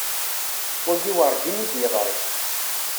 Wagi werǧin i d-yeḍri.